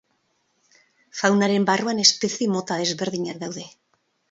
Faunaren barruan espezie mota ezberdinak daude.